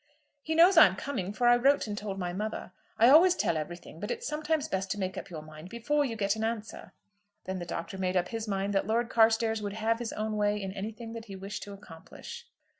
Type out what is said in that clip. "He knows I'm coming, for I wrote and told my mother. I always tell everything; but it's sometimes best to make up your mind before you get an answer." Then the Doctor made up his mind that Lord Carstairs would have his own way in anything that he wished to accomplish.